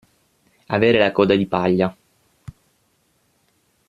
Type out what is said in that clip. Avere la coda di paglia.